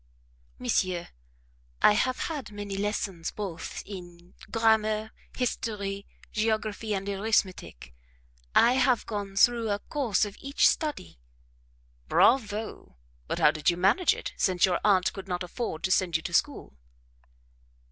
"Monsieur, I have had many lessons both in grammar, history, geography, and arithmetic. I have gone through a course of each study." "Bravo! but how did you manage it, since your aunt could not afford to send you to school?"